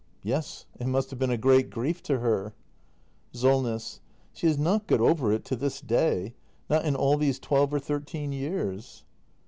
Yes, it must have been a great grief to h e r. Solness. She has not got over it to this day — not in all these twelve or thirteen years.